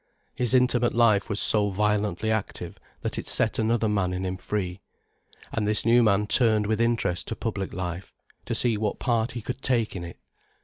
His intimate life was so violently active, that it set another man in him free. And this new man turned with interest to public life, to see what part he could take in it.